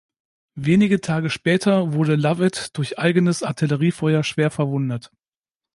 Wenige Tage später wurde Lovat durch eigenes Artilleriefeuer schwer verwundet.